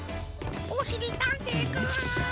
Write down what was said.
おしりたんていくん。